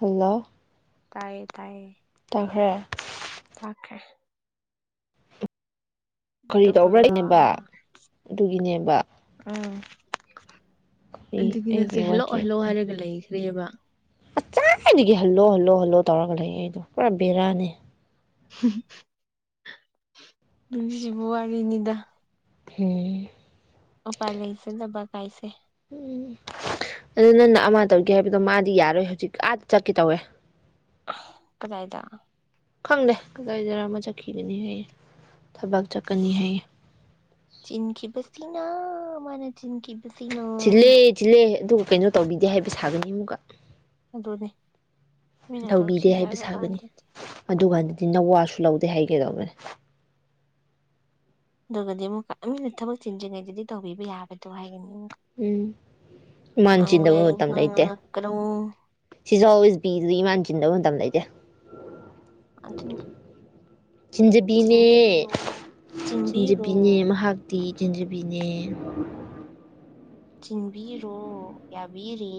hello ꯇꯥꯏꯌꯦ ꯇꯥꯏꯌꯦ ꯇꯥꯈ꯭ꯔꯦ ꯇꯥꯈ꯭ꯔꯦ ꯀꯔꯤ ꯇꯧꯕ꯭ꯔ ꯑꯇꯣꯞꯄꯔꯣ ꯏꯅꯦꯕ ꯑꯗꯨꯒꯤꯅꯦꯕ ꯑꯩ ꯥꯑꯗꯨꯒꯤ ꯅꯠꯇꯦ ꯑꯩꯒꯤ ꯍꯦꯜꯂꯣ ꯍꯦꯜꯂꯣ ꯍꯥꯏꯔꯒ ꯂꯩ ꯀꯦꯕ ꯑꯆꯥꯏꯗꯒꯤ ꯍꯜꯂꯣ ꯍꯜꯂꯣ ꯍꯜꯂꯣ ꯇꯧꯔꯒ ꯂꯩꯌꯦ ꯑꯩꯗꯣ ꯄꯨꯔꯥ ꯕꯦꯔꯥꯅꯦ [inaudible] ꯥꯅꯨꯡꯁꯤꯕ ꯋꯥꯔꯤꯅꯤꯗ ꯍꯦ ꯎꯄꯥꯏ ꯂꯩꯇꯅꯕ ꯀꯥꯏꯁꯦ ꯎꯝ ꯑꯗꯨ ꯅꯪꯅ ꯑꯃ ꯇꯧꯒꯦ ꯍꯥꯏꯕꯗꯣ ꯃꯥꯗꯤ ꯌꯥꯔꯣꯏ ꯍꯧꯖꯤꯛ ꯑꯥ ꯆꯠꯀꯦ ꯇꯧꯋꯦ ꯀꯗꯥꯥꯏꯗ ꯈꯪꯗꯦ ꯀꯗꯥꯏꯗꯔ ꯑꯃ ꯆꯠꯈꯤꯒꯅꯤ ꯍꯥꯏꯌꯦ ꯊꯕꯛ ꯆꯠꯀꯅꯤ ꯍꯥꯏꯌꯦ ꯆꯤꯟꯈꯤꯕꯁꯤꯅ ꯃꯥꯅ ꯆꯤꯟꯈꯤꯕꯁꯤꯅ ꯆꯤꯜꯂꯦ ꯆꯤꯜꯂꯦ ꯑꯗꯨꯒ ꯀꯩꯅꯣ ꯇꯧꯕꯤꯗꯦ ꯍꯥꯏꯕ ꯁꯥꯒꯅꯤ ꯑꯃꯨꯛꯀ ꯑꯗꯨꯅꯦ ꯃꯤꯅ ꯇꯧꯁꯤ ꯇꯧꯕꯤꯗꯦ ꯍꯥꯏꯕ ꯁꯥꯒꯅꯤ ꯀꯥꯟꯗꯗꯤ ꯑꯗꯨꯀꯥꯟꯗ ꯅꯋꯥꯁꯨ ꯂꯧꯗꯦ ꯍꯥꯏꯒꯦꯗꯧꯕꯅꯦ ꯑꯗꯨꯒꯗꯤ ꯑꯃꯨꯛꯅ ꯊꯕꯛ ꯆꯤꯟꯗ꯭ꯔꯤꯉꯩꯗꯗꯤ ꯇꯧꯕꯤꯕ ꯌꯥꯕꯗꯣ ꯍꯥꯏꯒꯅꯤ ꯑꯃꯨꯛꯀ ꯎꯝ ꯏꯃꯥꯟ ꯉꯥꯡꯕ ꯆꯤꯟꯗꯕ ꯌꯥꯏ ꯃꯇꯝ ꯂꯩꯇꯦ ꯉꯥꯡꯉꯛꯀꯅꯣ ꯁꯤꯁꯨꯦꯋꯦꯁ ꯕꯤ ꯏꯃꯥꯟ ꯆꯤꯟꯗꯧ ꯇꯝ ꯂꯩꯩꯗꯦ ꯑꯗꯨꯅꯤ ꯆꯤꯟꯖꯕꯤꯅꯦ ꯆꯤꯟꯕꯤꯔꯣ ꯆꯤꯟꯕꯤꯔꯣ ꯆꯤꯟꯖꯕꯤꯅꯦ ꯃꯍꯥꯛꯇꯤ ꯆꯤꯟꯖꯕꯤꯅꯦ ꯑ ꯆꯤꯟꯕꯤꯔꯣ ꯌꯥꯕꯤꯔꯦ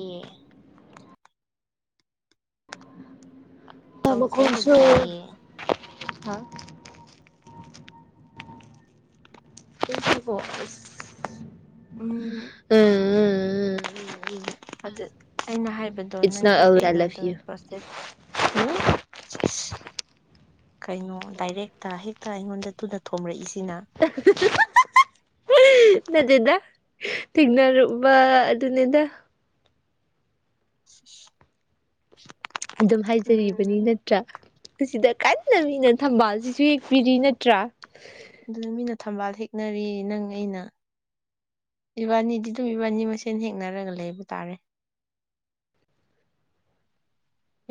[inaudible] ꯃꯈꯣꯟꯁꯨ ꯇꯧꯖꯔꯒꯦ ꯍꯥ ꯏꯀꯣ [inaudible] ꯎꯝ ꯎꯝ ꯎꯝ ꯑꯗꯨ ꯑꯩꯅ ꯍꯥꯏꯕꯗꯣ ꯏꯠꯁ ꯅꯣꯠ ꯅꯪꯒꯤ ꯑꯜꯋꯦꯁ ꯑꯥꯏ ꯂꯚ ꯀꯩꯅꯣꯗꯣ ꯌꯨ ꯄ꯭ꯔꯣꯁꯦꯁ ꯀꯩꯅꯣ ꯗꯥꯏꯔꯦꯛꯇ ꯍꯦꯛꯇ ꯑꯩꯉꯣꯟꯗ ꯇꯨꯅ ꯊꯣꯝꯣꯔꯛꯏꯁꯦ ꯑꯍ ꯍꯍ ꯍꯍ ꯎ ꯅꯗꯦꯗ ꯊꯦꯡꯅꯔꯨꯕ ꯑꯗꯨꯅꯦꯗ [inaudible] ꯑꯗꯨꯝ ꯍꯥꯏꯖꯔꯤꯕꯅꯤ ꯎꯝ ꯅꯠꯇ꯭ꯔꯥ ꯁꯤꯗ ꯀꯟꯅ ꯃꯤꯅ ꯊꯝꯕꯥꯜꯁꯤꯁꯨ ꯌꯦꯛꯄꯤꯔꯤ ꯅꯠꯇ꯭ꯔ ꯑꯗꯨꯅ ꯃꯤꯅ ꯊꯝꯕꯥꯜ ꯍꯦꯛꯅꯔꯤ ꯅꯪ ꯑꯩꯅ ꯏꯕꯅꯤꯗꯤ ꯑꯗꯨꯝ ꯏꯕꯥꯟꯅꯤ ꯃꯁꯦꯟ ꯍꯦꯛꯅꯔꯒ ꯂꯩꯕ ꯇꯥꯔꯦ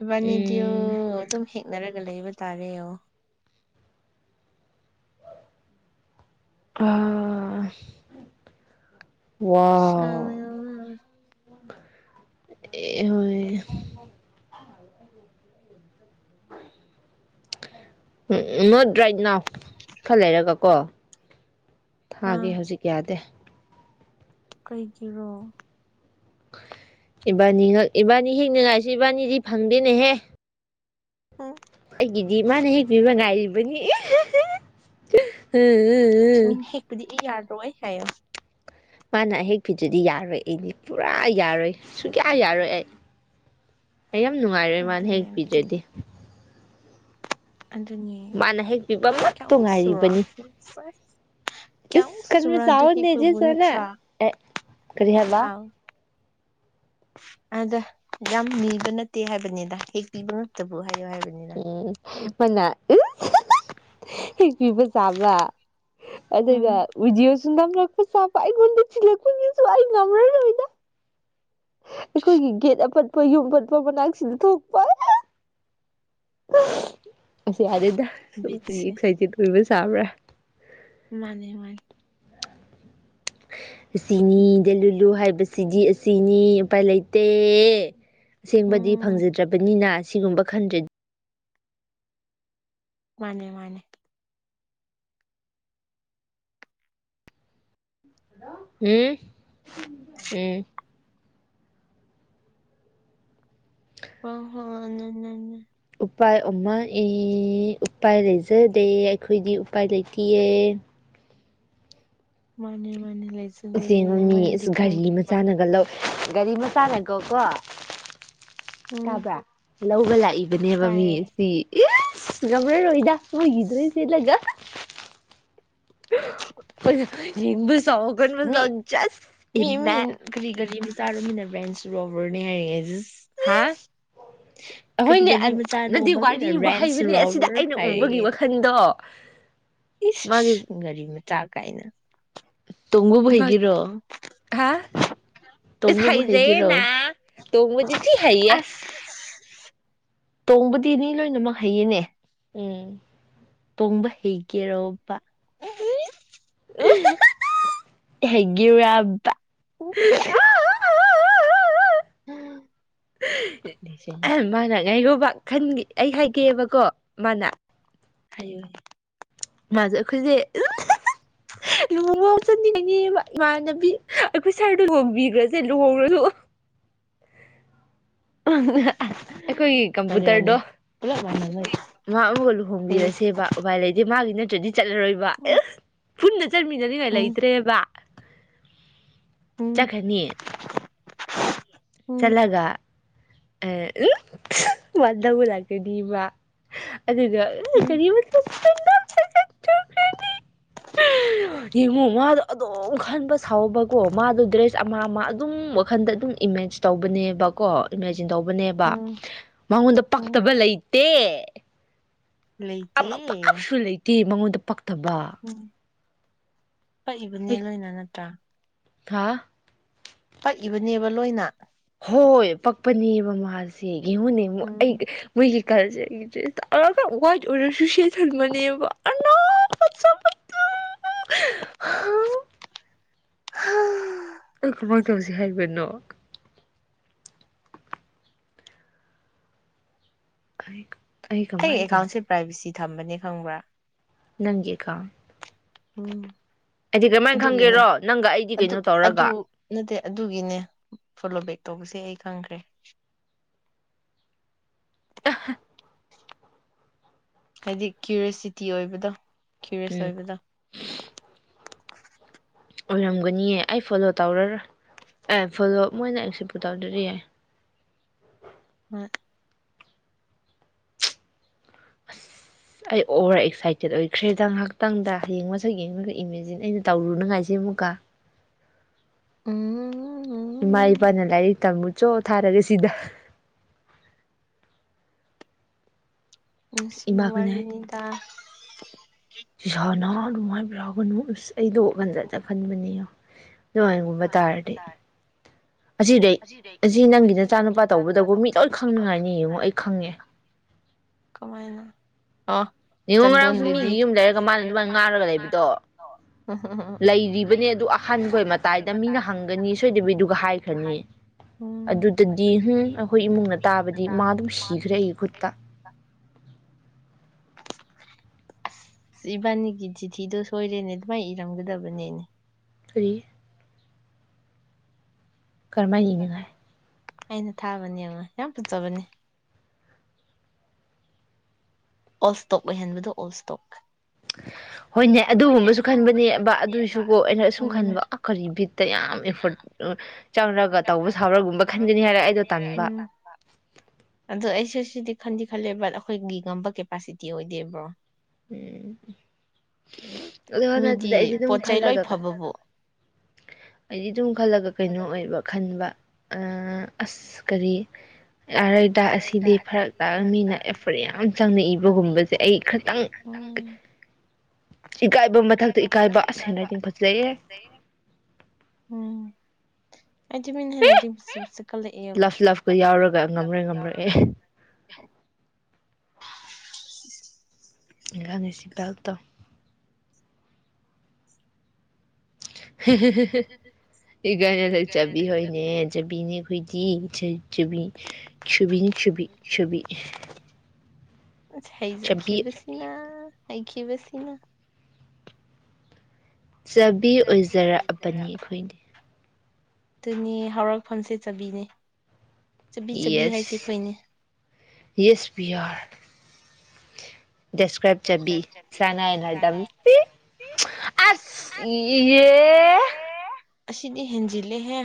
ꯏꯕꯅꯤꯗꯤꯌꯣ ꯎꯝ ꯑꯗꯨꯝ ꯍꯤꯛꯅꯔ ꯂꯩꯕ ꯇꯥꯔꯦ [inaudible] ꯑꯥ ꯋꯥꯎ ꯁꯃꯌꯥꯃꯌꯥꯃꯦ ꯑꯦ ꯍꯣꯏ [unintelligible] ꯔꯥꯏꯠ ꯅꯥꯎ ꯈ ꯂꯩꯔꯒ ꯀꯣ ꯊꯥꯒꯦ ꯍꯧꯖꯤꯛ ꯌꯥꯗꯦ ꯀꯩꯒꯤꯔꯣ ꯏꯕꯥꯅꯤ ꯏꯕꯥꯅꯤ ꯍꯤꯡꯅꯤꯡꯉꯥꯏꯁꯤꯦ ꯏꯕꯥꯅꯤꯗꯤ ꯐꯪꯗꯦꯅꯦꯍꯦ ꯎꯝ ꯒꯤꯗꯤ ꯃꯥꯅ ꯍꯦꯛꯄꯤꯕ ꯉꯥꯏꯔꯤꯕꯅꯤ ꯎꯝ ꯎꯝ ꯎꯝ ꯏ ꯌꯥꯔꯣꯏ ꯍꯥꯏꯌꯣ ꯃꯥꯅ ꯑꯍꯦꯛ ꯐꯤꯗꯨꯗꯤ ꯌꯥꯔꯣꯏꯅꯤ ꯄꯨꯔꯥ ꯌꯥꯔꯣꯏ ꯁꯨꯡꯌꯥ ꯌꯥꯔꯣꯏ ꯑꯩ ꯑꯩ ꯌꯥꯝ ꯅꯨꯡꯉꯥꯏꯔꯣꯏ ꯃꯅ ꯑꯗꯨꯅꯦ ꯍꯦꯛ ꯑꯗꯨꯅꯦ ꯄꯤꯗ꯭ꯔꯗꯤ ꯑꯗꯨꯅꯦ ꯃꯥꯅ ꯍꯦꯛꯄꯤꯕ ꯑꯃ ꯀꯌꯥꯃꯨꯛ ꯆꯨꯔꯥ ꯇꯅꯨꯡꯉꯥꯏꯔꯤꯕꯅꯤ ꯏꯁ ꯀꯌꯥꯃꯨꯛ ꯀꯩꯅꯣ ꯆꯨꯔꯥ ꯑꯗꯨ ꯍꯦꯛꯄꯕꯨ ꯆꯥꯋꯅꯦꯅ ꯅꯠꯇ꯭ꯔꯥ ꯀꯔꯤ ꯍꯥꯏꯕ ꯑꯥꯎ ꯑꯗ ꯌꯥꯝ ꯅꯤꯕ ꯅꯠꯇꯦ ꯍꯥꯏꯕꯅꯤꯗ ꯍꯦꯛ ꯄꯤꯕ ꯉꯝꯇꯕ ꯑꯣꯏ ꯎꯝ ꯃꯅ ꯍꯦꯛ ꯄꯤꯕ ꯆꯕ ꯑꯗꯨꯒ ꯎꯝ [unintelligible] ꯅꯝꯂꯛꯄ ꯆꯥꯄ ꯑꯩꯉꯣꯟꯗꯤꯜꯂꯛꯄꯁꯨ ꯑꯩ ꯉꯝꯔꯔꯣꯏꯗ ꯑꯩꯈꯣꯏꯒꯤ ꯒꯦꯠ ꯑꯄꯠꯄ ꯌꯨꯝ ꯑꯄꯠꯄ ꯃꯅꯥꯛꯁꯤꯗ ꯊꯣꯛꯄ ꯑꯁꯤꯁ ꯑꯗ ꯕꯤꯠꯁꯦ ꯑꯦꯛꯁꯥꯏꯇꯦꯠ ꯑꯣꯏꯕꯁ ꯇꯕ꯭ꯔꯥ ꯃꯥꯅꯦ ꯃꯥꯅꯦ ꯁꯤꯅꯤꯗ ꯂꯨꯂꯨ ꯍꯥꯏꯕ ꯁꯤꯗꯤ ꯑꯁꯤꯅꯤ ꯎꯄꯥꯏ ꯂꯩꯇꯦ ꯑꯁꯦꯡꯕꯗꯤ ꯎꯝ ꯐꯪꯖꯗ꯭ꯔꯕꯅꯤꯅ ꯁꯤꯒꯨꯝꯕ ꯈꯟꯗ꯭ꯔꯦ ꯃꯥꯅꯦ ꯃꯥꯅꯦ ꯎꯝ ꯎꯝ [unintelligible] ꯎꯄꯥꯏ ꯑꯃ ꯑꯦ ꯎꯄꯥꯏ ꯂꯩꯖꯗꯦ ꯑꯩꯈꯣꯏꯗꯤ ꯎꯄꯥꯏ ꯂꯩꯇꯤꯌꯦ ꯃꯥꯅꯦ ꯃꯅ ꯂꯩꯖꯗꯦ ꯑꯁꯦꯡꯕ ꯃꯤ ꯃꯣꯏꯅꯗꯤ ꯑꯁ ꯒꯥꯔꯤ ꯈꯪꯗ꯭ꯕ ꯃꯆꯥꯅꯒ ꯂꯧ ꯒꯥꯔꯤ ꯃꯆꯥꯅꯦꯀꯣꯀꯣ ꯎꯝ ꯇꯕ꯭ꯔꯥ ꯂꯧꯕ ꯂꯥꯏ ꯑꯩꯕꯅꯦꯕ ꯇꯥꯏꯌꯦ ꯃꯤꯁꯤ ꯑꯦ [unintelligible] ꯅꯣꯏꯒꯤ ꯗ꯭ꯔꯦꯁ ꯁꯦꯠꯂꯒ ꯑꯩꯅ ꯐꯣꯟ ꯌꯦꯡꯕꯁꯦ ꯃꯤ [unintelligible] ꯆꯥꯔꯨꯃꯤꯟꯅꯕ꯭ꯔꯦꯟꯁ ꯔꯨꯣꯕꯔꯅꯦ ꯍꯥꯏꯔꯛꯑꯦ ꯑꯩꯗꯨ ꯍꯥꯏ ꯀꯔꯤ ꯑꯩꯈꯣꯏꯅꯦ ꯒꯥꯔꯤ ꯑꯗ ꯃꯆꯥ ꯅꯠꯇꯦ ꯔꯣꯕ ꯃꯤꯅ ꯋꯥꯔꯤ ꯋꯥ ꯔꯦꯟꯁ ꯍꯩꯕꯅꯦ ꯑꯁꯤꯗ ꯔꯣꯕꯔ ꯑꯩꯅ ꯎꯕꯒꯤ ꯋꯥꯈꯟꯗꯣ [unintelligible] ꯏ ꯃꯥꯒꯤ ꯒꯥꯔꯤ ꯃ ꯇ ꯀꯥꯏꯅ ꯇꯣꯡꯕꯕꯨ ꯍꯩꯒꯦꯔꯣ ꯍꯥ ꯇꯣꯡꯕꯕꯨ ꯍꯩꯖꯩ ꯍꯩꯒꯦꯔꯣ ꯅꯥ ꯇꯣꯡꯕꯗꯤ ꯊꯤ ꯍꯩꯌꯦ [unintelligible] ꯇꯣꯡꯕꯗꯤꯅꯤ ꯂꯣꯏꯅꯃꯛ ꯍꯩꯌꯦꯅꯦ ꯎꯝ ꯇꯣꯡꯕ ꯍꯦꯒꯦꯔꯣꯕ [unintelligible] ꯖꯩꯒꯦꯔꯕ ꯑꯥ ꯃꯥꯅ ꯉꯥꯏꯒꯣꯕ ꯈꯟꯒꯦ ꯑꯩ ꯍꯥꯏꯒꯦꯕꯀꯣ ꯃꯥꯅ ꯍꯩꯌꯣꯏ ꯃꯥꯁꯦ ꯑꯩꯈꯣꯏꯁꯦ ꯂꯨꯍꯣꯡꯕ ꯉꯥꯎ ꯆꯟꯅꯤꯡꯉꯤꯅꯦ ꯏꯃꯥꯟꯅꯕꯤ ꯑꯩꯈꯣꯏ ꯁꯥꯔꯗ ꯌꯣꯡꯕꯤꯈ꯭ꯔꯁꯦ ꯂꯨꯍꯣꯡꯔꯁꯨ [unintelligible] ꯑꯩꯈꯣꯏꯒꯤ ꯃꯥꯅꯦ ꯃꯥꯅꯦ ꯀꯝꯄꯨꯇꯔꯗꯣ ꯄꯨꯂꯞ ꯃꯥꯟꯅꯕꯩ ꯃꯥ ꯑꯃꯒ ꯍꯩꯌꯦ ꯂꯨꯍꯣꯡꯕꯤꯔꯁꯦꯕ ꯎꯄꯥꯏ ꯂꯩꯇꯦ ꯃꯥꯒꯤꯅ ꯆꯠꯂꯔꯣꯏꯕ ꯑꯦ ꯎꯝ ꯆꯟꯃꯤꯟꯅꯅꯤꯡꯉꯥꯏ ꯎꯝ ꯂꯩꯇ꯭ꯔꯦꯕ ꯎꯝ ꯆꯠꯈꯅꯤ ꯆꯠꯂꯒ [unintelligible] ꯎꯝ [unintelligible] ꯌꯦꯡꯉꯨ ꯃꯥꯗꯣ ꯑꯗꯨꯝ ꯈꯟꯕ ꯁꯥꯎꯕꯀꯣ ꯃꯥꯗꯣ ꯗ꯭ꯔꯦꯁ ꯑꯃ ꯑꯃ ꯑꯗꯨꯝ ꯋꯥꯈꯟꯗ ꯑꯗꯨꯝ ꯏꯃꯦꯖ ꯇꯧꯕꯅꯦꯕꯀꯣ ꯆꯤꯟ ꯇꯧꯕꯅꯦꯕ ꯎꯝ ꯃꯉꯣꯟꯗ ꯎꯝ ꯄꯛꯇꯕ ꯂꯩꯇꯦ ꯂꯩꯇꯦ ꯑꯃ ꯀꯁꯨ ꯂꯩꯇꯦ ꯃꯉꯣꯟꯗ [unintelligible] ꯇꯕ ꯎꯝ ꯄꯛꯏꯕꯅꯦ ꯂꯣꯏꯅ ꯅꯠꯇ꯭ꯔꯥ ꯍꯥ ꯄꯛꯏꯕꯅꯦꯕ ꯂꯣꯏꯅ ꯍꯣꯏ ꯄꯛꯄꯅꯦꯕ ꯃꯥꯁꯦ [unintelligible] ꯎꯝ [unintelligible] ꯋꯥ ꯑꯣꯔꯁꯨꯁꯦ ꯊ ꯃꯅꯤꯕ [unintelligible] [unintelligible] ꯑꯩ ꯀꯃꯥꯏꯅ ꯇꯧꯁꯤ ꯍꯥꯏꯕꯅꯣ ꯀꯔꯤ ꯑꯩ ꯑꯦꯀꯥꯎꯟꯁꯤ ꯄꯥꯏꯚꯦꯁꯤ ꯊꯝꯕꯅꯤ ꯈꯪꯕ꯭ꯔꯥ ꯅꯪꯒꯤꯑꯀꯥ ꯎꯝ ꯑꯗꯨꯒꯤꯅꯦ ꯈꯪꯒꯦꯔꯣ ꯅꯪꯒ ꯑꯩꯗꯤ ꯑꯗꯨ ꯀꯩꯅꯣ ꯑꯗꯨ ꯇꯧꯔꯒ ꯅꯠꯇꯦ ꯑꯗꯨꯒꯤꯅꯦ ꯐꯣꯂꯣꯕꯦꯛ ꯇꯧꯕꯁꯦ ꯑꯩ ꯊꯪꯈ꯭ꯔꯦ ꯑꯥ ꯍꯥ ꯍꯥꯏꯗꯤ ꯀ꯭ꯌꯔꯤꯣꯁꯤꯇꯤ ꯑꯣꯏꯕꯗꯣ ꯀ꯭ꯌꯔꯤꯁ ꯎꯝ ꯑꯣꯏꯕꯗ ꯑꯣꯏꯔꯝꯒꯅꯤꯌꯦ ꯑꯩ ꯐꯣꯂꯣ ꯇꯧꯔꯔ ꯑꯦ ꯐꯣꯂꯣ ꯃꯣꯏꯅ ꯑꯦꯛꯁꯦꯄꯨ ꯇꯧꯗꯔꯤ ꯌꯥꯏ ꯍꯣꯏ ꯑꯩ ꯑꯣꯚꯔ ꯑꯦꯛꯁꯥꯏꯇꯦꯠ ꯑꯣꯏꯈ꯭ꯔꯦꯗ ꯉꯥꯏꯍꯥꯛꯇꯪꯗ ꯍꯌꯦꯡ ꯃꯁꯛ ꯌꯦꯡꯉꯒ ꯏꯃꯦꯖꯤꯟ ꯑꯩꯅ ꯇꯧꯔꯨꯅꯉꯥꯏꯁꯤꯦ ꯑꯃꯨꯛꯀ ꯎꯝ ꯏꯃꯥ ꯏꯄꯥꯅ ꯂꯥꯏꯔꯤꯛ ꯇꯝꯃꯨ ꯆꯣ ꯊꯥꯔꯒ ꯁꯤꯗ ꯅꯨꯡꯁꯤꯕꯋꯥꯔꯤꯅꯤꯗ [inaudible] ꯁꯅ ꯑꯗꯨꯃꯥꯏ ꯕꯔꯒꯅꯨ ꯑꯁ ꯑꯩꯗꯣ ꯎꯍꯟꯗꯗ ꯈꯟꯕꯅꯦ ꯅꯨꯡꯉꯥꯏꯒꯨꯝꯕ ꯇꯥꯔꯗꯤ ꯑꯁꯤꯗꯩ ꯑꯁꯤ ꯅꯪꯒꯤ ꯅꯆꯥꯅꯨꯄꯥ ꯇꯧꯕꯗꯕꯨ ꯃꯤ ꯂꯣꯏ ꯈꯪꯅꯤꯡꯉꯥꯏꯅꯤ ꯌꯦꯡꯉꯣ ꯑꯩ ꯈꯪꯉꯦ ꯀꯃꯥꯏꯅ ꯑꯣ ꯅꯤꯉꯣ ꯆꯟꯗꯣꯟ ꯉꯔꯥꯡꯁꯨ ꯕꯦꯕꯤ ꯃꯤꯒꯤ ꯌꯨꯝ ꯂꯩꯔꯒ ꯃꯥꯅ ꯑꯗꯨꯃꯥꯏꯅ ꯉꯥꯡꯔꯒ ꯂꯩꯕꯗꯣ ꯂꯩꯔꯤꯕꯅꯦ ꯑꯗꯨ ꯑꯍꯟꯈꯣꯏ ꯃꯇꯥꯏꯗ ꯃꯤꯅ ꯍꯪꯒꯅꯤ ꯁꯣꯏꯗꯕꯤꯗꯨꯒ ꯍꯥꯏꯈ꯭ꯔꯅꯤ ꯎꯝ ꯑꯗꯨꯗꯗꯤ ꯎꯝ ꯑꯩꯈꯣꯏ ꯏꯃꯨꯡꯅ ꯇꯥꯕꯗꯤ ꯃꯥ ꯑꯗꯨꯝ ꯁꯤꯈ꯭ꯔꯦ ꯑꯩꯒꯤ ꯈꯨꯠꯇ ꯑꯁ ꯏꯕꯥꯅꯤꯒꯤ ꯆꯤꯊꯤꯗꯣ ꯁꯣꯏꯔꯦꯅꯦ ꯑꯗꯨꯃꯥꯏꯅ ꯏꯔꯝꯒꯗꯕꯅꯦꯅꯦ ꯊ꯭ꯔꯤ ꯀꯔꯃ ꯍꯥꯢ ꯂꯦꯡꯒꯤꯅꯣꯍꯥꯢ ꯑꯩꯅ ꯊꯥꯕꯅꯦꯡꯉꯣ ꯌꯥꯝ ꯐꯖꯕꯅꯦ ꯑꯣꯜꯁꯇꯣꯛ ꯑꯣꯏꯍꯟꯕꯗꯣ ꯑꯣꯜꯁꯇꯣꯛ ꯍꯣꯏꯅꯦ ꯑꯗꯨꯒꯨꯝꯕꯁꯨ ꯈꯟꯕꯅꯦ ꯕ ꯑꯗꯨꯏꯁꯨꯀꯣ ꯑꯩꯅ ꯑꯁꯨꯝ ꯎꯝ ꯈꯟꯕ ꯀꯔꯤ ꯕꯤꯠꯇ ꯌꯥꯝ ꯑꯦꯐꯣꯔꯠ ꯆꯪꯔꯒ ꯇꯧꯕ ꯁꯥꯎꯔꯒꯨꯝꯕ ꯈꯟꯒꯅꯤ ꯍꯥꯏꯔ ꯑꯩꯗꯣ ꯇꯥꯟꯕ ꯑꯗꯣ ꯑꯩꯁꯨ ꯁꯤꯗꯤ ꯈꯟꯗꯤ ꯈꯜꯂꯦ ꯕꯠ ꯑꯩꯈꯣꯏꯒꯤ ꯉꯝꯕ ꯀꯦꯄꯥꯁꯤꯇꯤ ꯑꯣꯏꯗꯦꯕ꯭ꯔꯣ ꯎꯝ ꯑꯗꯨ ꯍꯥ ꯅꯠꯇꯗꯤ ꯑꯩꯗꯤ ꯃꯤꯗꯤ ꯑꯗꯨꯝ ꯄꯣꯠ ꯆꯩ ꯂꯣꯏ ꯈꯜꯂꯒ ꯐꯕꯕꯨ ꯑꯩꯗꯤ ꯗꯨꯝ ꯆꯥꯎꯈꯠꯂꯒ ꯀꯩꯅꯣ ꯑꯣꯏꯕ ꯈꯟꯕ ꯑꯁ ꯀꯔꯤ ꯎꯝ [unintelligible] ꯎꯝ ꯑꯩꯗꯤ ꯃꯤꯅ ꯍꯦꯟꯂꯔꯥꯏꯇꯤꯡ ꯐꯖꯕꯖꯦ ꯀꯜꯂꯛꯑꯦꯕ ꯉꯝꯕ꯭ꯔ ꯑꯦ [inaudible] [unintelligible] [inaudible] ꯏꯀꯥꯏꯅ ꯂꯩꯖꯕꯤ ꯍꯣꯏꯅꯦ ꯖꯕꯤꯅꯦꯈꯣꯏꯗꯤ [unintelligible] ꯆꯨꯕꯤ ꯆꯨꯕꯤꯅꯤ ꯆꯨꯕꯤ ꯆꯨꯕꯤ ꯆꯕꯤ ꯍꯩꯖꯈꯤꯕꯕꯁꯤꯅ ꯂꯩꯈꯤꯕꯁꯤꯅ ꯆꯕꯤ ꯑꯣꯏꯖꯔꯛꯑꯕꯅꯤ ꯑꯩꯈꯣꯏꯗꯤ ꯑꯗꯨꯅꯤ ꯍꯧꯔꯛꯐꯝꯁꯦꯠ ꯆꯕꯤꯅꯦ ꯆꯕꯤ ꯆꯕꯤ ꯍꯥꯏꯁꯤ ꯌꯦꯁ ꯑꯩꯈꯣꯏꯅꯦ ꯌꯦꯁꯄꯤꯌꯥꯔ ꯗꯦꯁꯀ꯭ꯔꯥꯏꯕ ꯆꯕꯤ ꯁꯅꯅꯗ ꯑꯁ ꯑꯁꯤꯗꯤ ꯍꯦꯟꯖꯤꯜꯂꯦꯍꯦ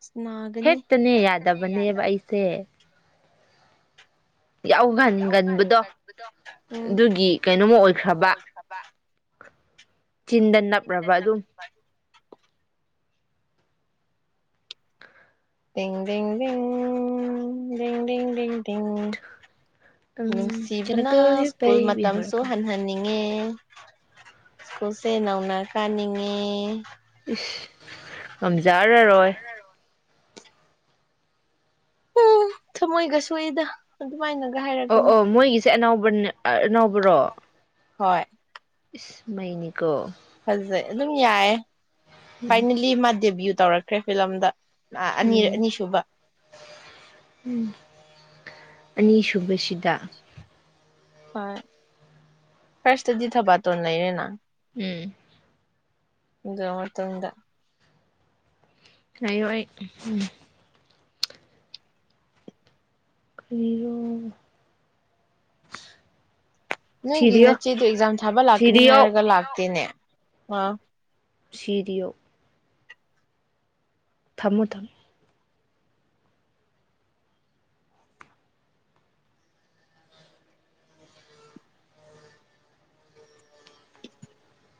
ꯑꯁ ꯅꯥꯒꯅꯤ ꯍꯦꯛꯇꯅꯦ ꯌꯥꯗꯕꯅꯦꯕ ꯑꯩꯁꯦ ꯌꯥꯎ ꯌꯥꯎꯒꯟꯒꯟꯕꯗꯣ ꯀꯥꯟꯒꯟꯕꯗꯣ ꯑꯗꯨꯒꯤ ꯀꯩꯅꯣꯝꯃ ꯑꯗꯨꯒꯤ ꯀꯩꯅꯣꯃ ꯑꯣꯏꯈ꯭ꯔꯕ ꯑꯣꯏꯈ꯭ꯔꯕ ꯆꯤꯟꯗ ꯅꯞꯔꯕ ꯑꯗꯨꯝ [inaudible] ꯎꯝ ꯅꯨꯡꯁꯤꯕꯅ ꯆꯅꯀꯜꯒꯤ ꯁ꯭ꯀꯨꯜ ꯄꯩꯕꯤ ꯍꯧꯔ ꯃꯇꯝꯁꯨ ꯀꯩꯅꯣ ꯍꯟꯍꯟꯅꯤꯡ ꯉꯦ ꯁ꯭ꯀꯨꯜꯁꯦ ꯅꯧꯅ ꯀꯥꯅꯤꯡꯉꯦ ꯏꯁ ꯉꯝꯖꯔꯔꯣꯏ ꯎꯝ ꯊꯃꯣꯏꯒꯁꯣꯛꯏꯗ ꯑꯣ ꯑꯣ ꯃꯣꯏꯒꯤꯁꯦ ꯑꯅꯥꯎ ꯅꯕ꯭ꯔꯣ [unintelligible] ꯍꯣꯏ ꯏꯁ ꯃꯩꯅꯤꯀꯣ ꯐꯖꯩ ꯑꯗꯨꯝ ꯌꯥꯏ ꯎꯝ ꯐꯥꯏꯅꯂꯤ ꯃꯥ ꯗꯦꯕꯤꯎꯠ ꯇꯧꯔꯛꯈ꯭ꯔꯦ ꯐꯤꯂꯝꯗ ꯑꯅꯤꯔ ꯎꯝ ꯑꯅꯤꯁꯨꯕ ꯑꯅꯤꯁꯨꯨꯕꯁꯤꯗ ꯍꯣꯏ ꯐꯔꯁꯇꯗꯤ ꯊꯕꯥꯇꯣꯟ ꯂꯩꯔꯦꯅ ꯎꯝ [unintelligible] ꯉꯥꯏꯌꯣ ꯑꯩ ꯍꯨꯝ ꯀꯔꯤꯔꯣ ꯅꯣꯏꯒꯤ ꯁꯤꯔꯤꯌꯣ ꯅꯆꯦꯗꯣ ꯑꯦꯛꯖꯥꯝ ꯊꯥꯕ ꯂꯥꯛꯀꯅꯤ ꯁꯤꯔꯤꯌꯣ ꯍꯥꯏꯔꯒ ꯂꯥꯛꯇꯦꯅꯦ ꯑꯥ ꯁꯤꯔꯤꯌꯣ ꯊꯝꯃꯣ ꯊꯝꯃꯣ [inaudible]